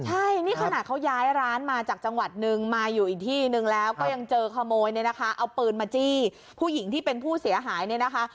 ใช่นี่ขนาดเขาย้ายร้านมาจากจังหวัดนึงมาอยู่อีกที่นึงแล้วก็ยังเจอขโมยเนี่ยนะคะเอาปืนมาจี้ผู้หญิงที่เป็นผู้เสียหายเนี่ยนะคะ